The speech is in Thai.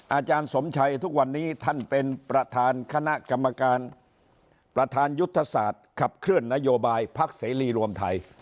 อาจารย์สมชัยทุกวันนี้ท่านเป็นประธานคณะกรรมการประธานยุทธศาสตร์ขับเคลื่อนนโยบายพักเสรีรวมไทย